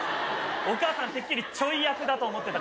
お母さんてっきりちょい役だと思ってたから。